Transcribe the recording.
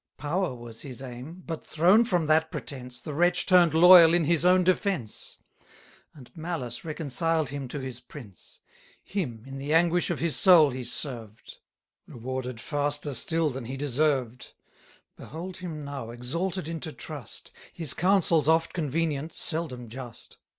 Power was his aim: but, thrown from that pretence, 50 The wretch turn'd loyal in his own defence; And malice reconciled him to his prince. Him, in the anguish of his soul he served; Rewarded faster still than he deserved. Behold him now exalted into trust; His counsel's oft convenient, seldom just.